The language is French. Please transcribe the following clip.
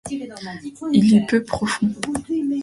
Il est peu profond.